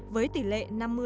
với tỷ lệ năm mươi năm mươi năm